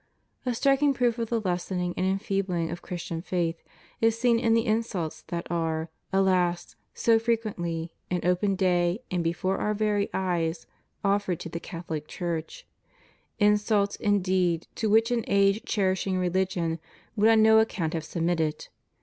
A striking proof of the lessening and enfeebling of Christian faith is seen in the insults that are, alas! so frequently, in open day, and before Our very eyes, offered to the Catholic Church — insults, indeed, to which an age cherishing religion would on no account have submitted.